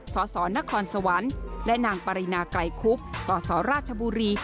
สสนครสวรรค์และนางปรินาไกลคุบสสราชบุรี